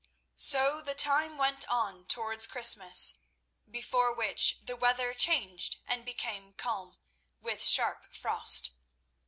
So the time went on towards Christmas, before which the weather changed and became calm, with sharp frost.